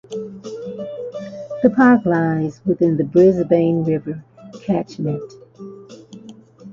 The park lies within the Brisbane River catchment.